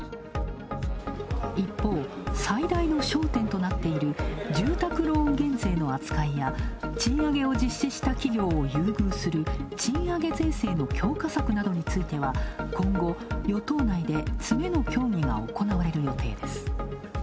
一方、最大の焦点となっている住宅ローン減税の扱いや賃上げを実施した企業を優遇する賃上げ税制の強化策などについては今後、与党内で詰めの協議が行われる予定です。